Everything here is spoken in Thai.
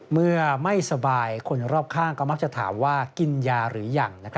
เมื่อไม่สบายคนรอบข้างก็มักจะถามว่ากินยาหรือยัง